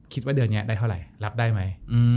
คิดว่าเดือนนี้ได้เท่าไหร่รับได้ไหม